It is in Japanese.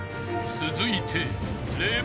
［続いて］